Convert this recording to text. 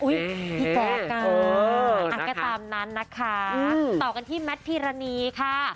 พี่แจ๊คก็ตามนั้นนะคะต่อกันที่แมทพีรณีค่ะ